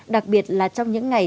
đặc biệt là trong những ngày